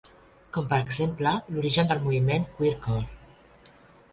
Com per exemple, l'origen del moviment Queercore.